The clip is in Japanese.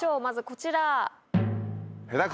まずこちら。